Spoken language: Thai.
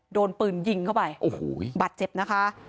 โดนปืนยิงเข้าไปบัตรเจ็บนะคะ